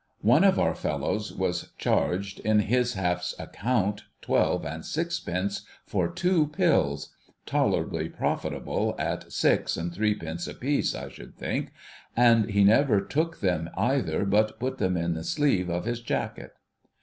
One of our fellows was charged in his half's account twelve and sixpence for two pills — tolerably profitable at six and threepence a piece, I should think — and he never took them either, but put them up the sleeve of his jacket.